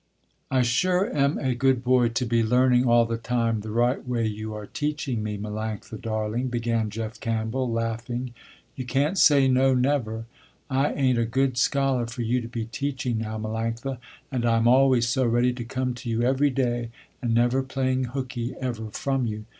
"I sure am a good boy to be learning all the time the right way you are teaching me, Melanctha, darling," began Jeff Campbell, laughing, "You can't say no, never, I ain't a good scholar for you to be teaching now, Melanctha, and I am always so ready to come to you every day, and never playing hooky ever from you.